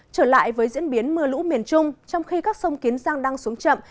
trở lại với diễn biến mưa lũ miền trung trong khi các sông kiến giang đang xuống chậm